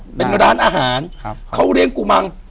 กุมารพายคือเหมือนกับว่าเขาจะมีอิทธิฤทธิ์ที่เยอะกว่ากุมารทองธรรมดา